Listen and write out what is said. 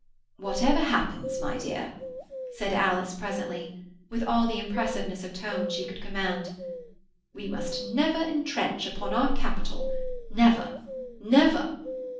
"Whatever happens, my dear," said Alice presently, with all the impressiveness of tone she could command, "we must never entrench upon our capital—never—never!"